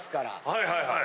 はいはいはい。